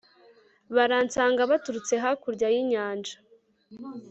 baransanga baturutse hakurya y'inyanja